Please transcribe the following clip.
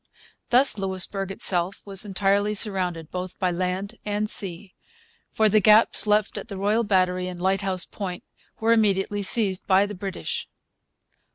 Thus Louisbourg itself was entirely surrounded both by land and sea; for the gaps left at the Royal Battery and Lighthouse Point were immediately seized by the British.